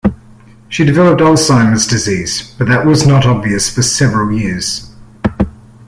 She developed Alzheimer's disease but that was not obvious for several years.